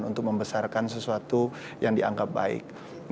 untuk membesarkan sesuatu yang dianggap baik